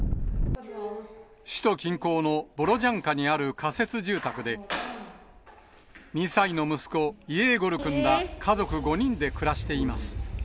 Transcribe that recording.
首都近郊のボロジャンカにある仮設住宅で、２歳の息子、イェーゴルくんら家族５人で暮らしています。